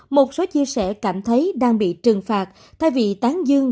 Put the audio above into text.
một số chia sẻ cảm thấy đang bị trừng phạt thay vì tán dương